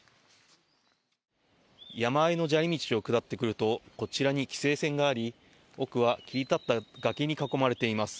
山あいの砂利道を下ってくるとこちらに規制線があり奥は切り立った崖に囲まれています。